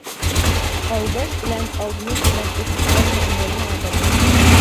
ئالداش بىلەن ئالدىنىش بىلەن، ئۆتكۈزەرمۇ ئۆمۈرنى ئادەم.